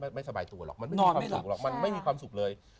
มันไม่มีความสุขหรอกมันไม่มีความสุขเลย